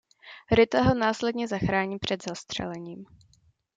Rita ho následně zachrání před zastřelením.